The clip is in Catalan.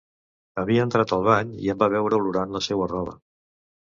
Havia entrat al bany i em va veure olorant la seua roba...